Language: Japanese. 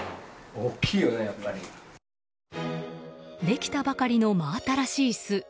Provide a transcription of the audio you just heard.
できたばかりの真新しい巣。